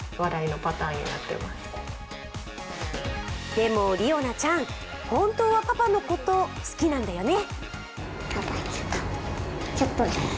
でも、りおなちゃん、本当はパパのこと、好きなんだよね？